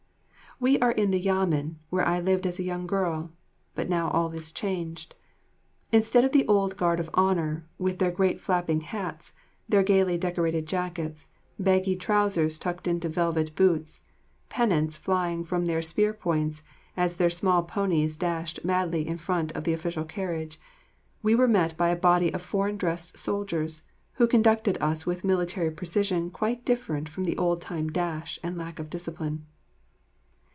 We are in the Yamen where I lived as a young girl, but now all is changed. Instead of the old guard of honour, with their great flapping hats, their gaily decorated jackets, baggy trousers tucked into velvet boots, pennants flying from their spear points as their small ponies dashed madly in front of the official carriage, we were met by a body of foreign dressed soldiers who conducted us with military precision quite different from the old time dash and lack of discipline.